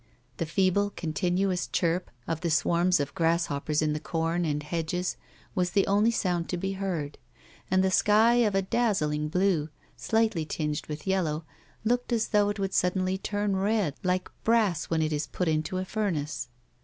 The feeble, continuous chirp of the swarms of grasshoppers in the corn and hedges was the only sound to be heard, and the sky of a dazzling blue, slightly tinged with yellow, looked as though it would suddenly turn red, like brass when it is put tnto a furnace.